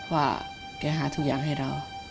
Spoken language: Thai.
ว่าแกหาทุกอย่างให้เรา